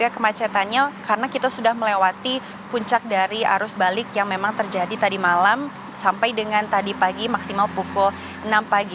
kemacetannya karena kita sudah melewati puncak dari arus balik yang memang terjadi tadi malam sampai dengan tadi pagi maksimal pukul enam pagi